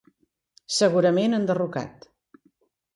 Segurament enderrocat.